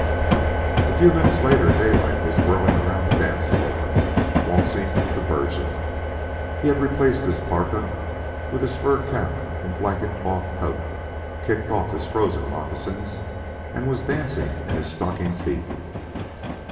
A few minutes later, Daylight was whirling around the dance floor, waltzing with the Virgin. He had replaced his parka with his fur cap and blanket cloth coat, kicked off his frozen moccasins, and was dancing in his stocking feet.